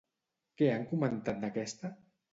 Què han comentat d'aquesta?